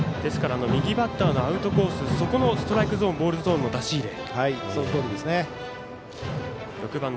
右バッターのアウトコースストライクゾーンボールゾーンの出し入れ。